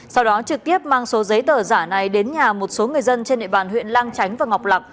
sau đó trực tiếp mang số giấy tờ giả này đến nhà một số người dân trên địa bàn huyện lang chánh và ngọc lạc